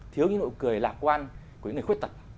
thiếu những nụ cười lạc quan của những người khuyết tật